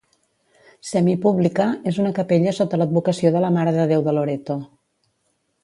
Semipública, és una capella sota l'advocació de la Mare de Déu de Loreto.